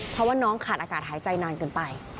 เพราะว่าน้องขาดอากาศหายใจนานเกินไป